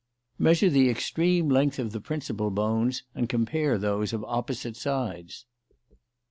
Measure the extreme length of the principal bones and compare those of opposite sides.